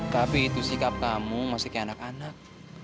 tapi itu sikap kamu masih kayak anak anak